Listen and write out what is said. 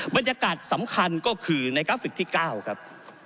บรรยากาศสำคัญก็คือในกราฟิกที่๙ครับ